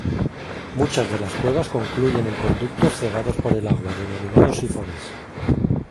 Muchas de las cuevas concluyen en conductos cegados por el agua, denominados sifones.